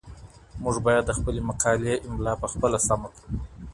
موږ باید د خپلې مقالي املا پخپله سمه کړو.